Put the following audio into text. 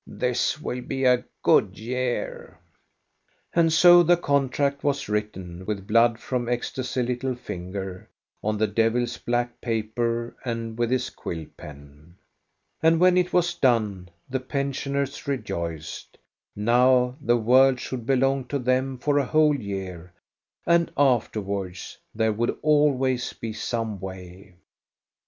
This will be a good year. " And so the contract was written, with blood from Gosta's little finger, on the devil's black paper and with his quill pen. And when it was done the pensioners rejoiced. Now the world should belong to them for a whole year, and afterwards there would always be some way.